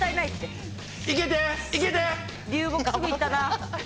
流木すぐ行ったな！